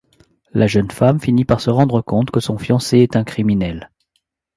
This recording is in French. La jeune femme finit par se rendre compte que son fiancé est un criminel.